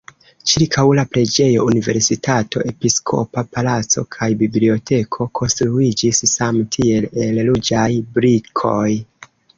Ĉirkaŭ la preĝejo universitato, episkopa palaco kaj biblioteko konstruiĝis same tiel el ruĝaj brikoj.